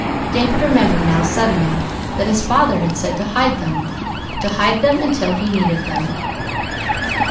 David remembered now, suddenly, that his father had said to hide them to hide them until he needed them.